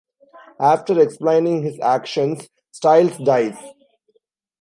After explaining his actions, Stiles dies.